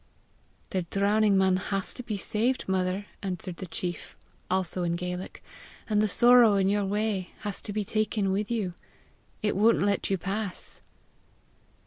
"The drowning man has to be saved, mother!" answered the chief, also in Gaelic; "and the sorrow in your way has to be taken with you. It won't let you pass!"